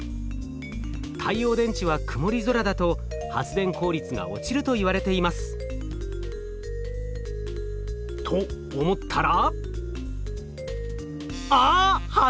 太陽電池は曇り空だと発電効率が落ちるといわれています。と思ったら。